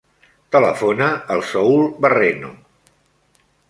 Telefona al Saül Barreno.